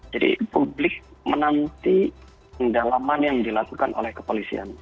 jadi publik menanti pendalaman yang dilakukan oleh kepolisian